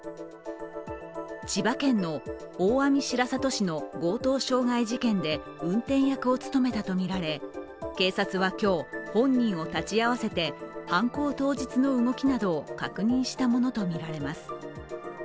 千葉県の大網白里市の強盗傷害事件で運転役を務めたとみられ、警察は今日本人を立ち会わせて犯行当日の動きなどを確認したものとみられます。